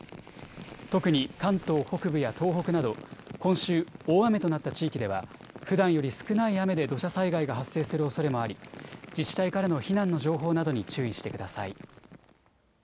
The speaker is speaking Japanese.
特に関東北部や東北など今週、大雨となった地域ではふだんより少ない雨で土砂災害が発生するおそれもあり自治体からの避難の情報などに注意してください。